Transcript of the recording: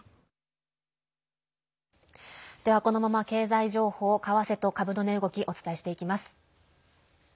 では、このまま経済情報為替と株の値動きお伝えしていきます。